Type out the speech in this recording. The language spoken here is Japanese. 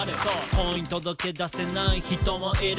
「婚姻届出せない人もいる」